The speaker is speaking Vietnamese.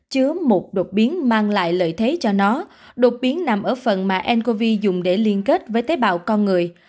chứa một đột biến mang lại lợi thế cho nó đột biến nằm ở phần mà ncov dùng để liên kết với tế bào con người